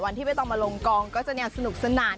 วันที่ไม่ต้องมาลงกองก็จะเนี่ยสนุกสนาน